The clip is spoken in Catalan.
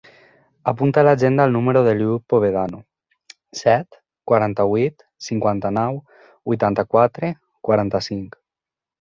Apunta a l'agenda el número de l'Iu Povedano: set, quaranta-vuit, cinquanta-nou, vuitanta-quatre, quaranta-cinc.